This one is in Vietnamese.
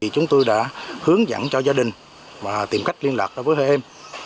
chúng tôi đã hướng dẫn cho gia đình và tìm cách liên lạc với hai em